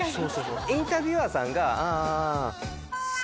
インタビュアーさんが。